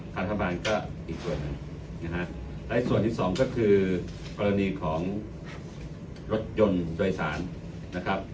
รัฐบาลก็อีกส่วนหนึ่งนะฮะและส่วนที่สองก็คือกรณีของรถยนต์โดยสารนะครับ